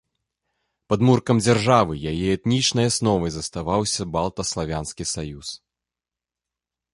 Падмуркам дзяржавы, яе этнічнай асновай заставаўся балта-славянскі саюз.